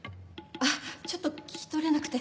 あっちょっと聞き取れなくて。